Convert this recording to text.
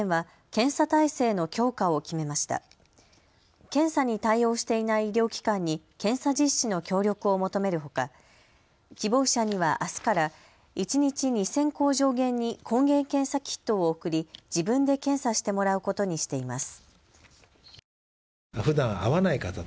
検査に対応していない医療機関に検査実施の協力を求めるほか希望者にはあすから一日２０００個を上限に抗原検査キットを送り自分で検査してもらうことにしています。